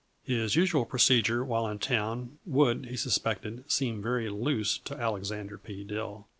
His usual procedure while in town would, he suspected, seem very loose to Alexander P. Dill.